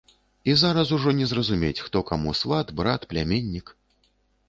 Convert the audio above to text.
І зараз ужо не зразумець, хто каму сват, брат, пляменнік.